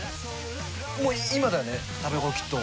もう今だよね食べ頃きっと。